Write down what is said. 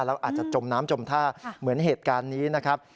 แล้วอาจจะจมน้ำจมท่าเหมือนเหตุการณ์นี้นะครับ